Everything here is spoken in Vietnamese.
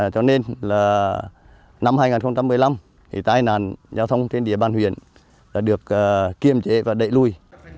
cho nên là năm hai nghìn một mươi năm tai nạn giao thông trên địa bàn huyện đã được kiềm chế và đẩy lùi